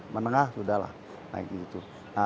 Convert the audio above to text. menengah sudah lah naik gitu